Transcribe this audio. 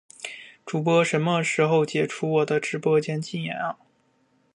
主播什么时候解除我的直播间禁言啊